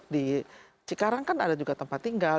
di cikarang kan ada juga tempat tinggal